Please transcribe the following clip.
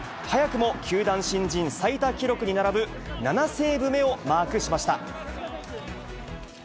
早くも球団新人最多記録に並ぶ７セーブ目をマークしました。